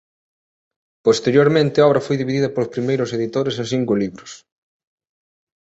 Posteriormente a obra foi dividida polos primeiros editores en cinco libros.